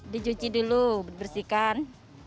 dijuci dulu bersihkan